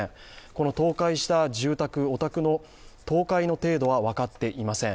この倒壊した住宅、お宅の倒壊の程度は分かっていません。